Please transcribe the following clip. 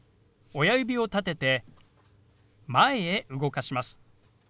親指を立てて前へ動かします。